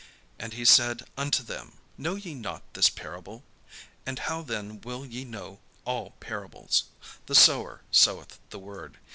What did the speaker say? And he said unto them: "Know ye not this parable? And how then will ye know all parables? The sower soweth the word.